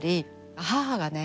母がね